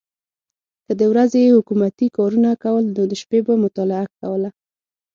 که د ورځې یې حکومتي کارونه کول نو شپه به مطالعه کوله.